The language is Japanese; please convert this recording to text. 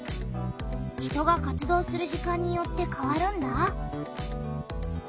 人が活動する時間によってかわるんだ。